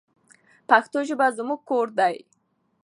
پښتو ژبه زموږ کور دی.